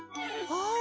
ああ！